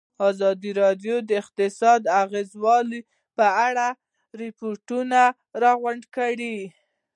ازادي راډیو د اقتصاد د اغېزو په اړه ریپوټونه راغونډ کړي.